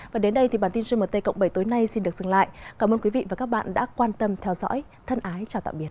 và đến đây thì bản tin gmt cộng bảy tối nay xin được dừng lại cảm ơn quý vị và các bạn đã quan tâm theo dõi thân ái chào tạm biệt